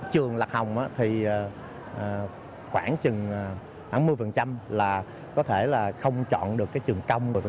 trường lập hồng thì khoảng chừng khoảng một mươi là có thể là không chọn được cái trường công